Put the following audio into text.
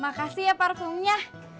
mak kasih ya parfumnya